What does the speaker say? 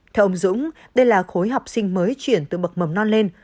theo ông dũng đây là khối học sinh mới chuyển từ bậc mầm non lên